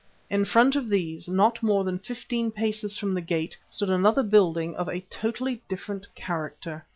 In front of these, not more than fifteen paces from the gate, stood another building of a totally different character.